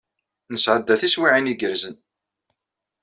Nesɛedda tiswiɛin igerrzen.